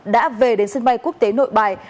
đã về đến sân bay quốc tế nội bài